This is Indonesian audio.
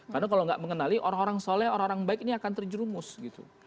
karena kalau tidak mengenali orang orang soleh orang orang baik ini akan terjerumus gitu